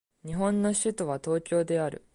日本の首都は東京である